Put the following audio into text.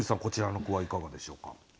こちらの句はいかがでしょうか？